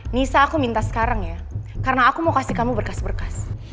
nisa aku minta sekarang ya karena aku mau kasih kamu berkas berkas